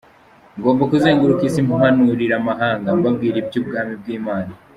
Ngomba kuzenguruka isi mpanurira amahanga, mbabwira iby'ubwami bw'Imana.